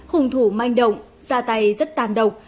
hùng thủ manh động da tay rất tàn độc